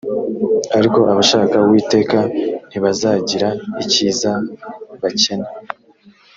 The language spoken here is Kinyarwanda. ariko abashaka uwiteka ntibazagira icyiza bakena